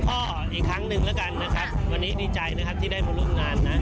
คนในวงการอะไรอย่างนี้ก็ไม่ว่าจะมีงานอะไร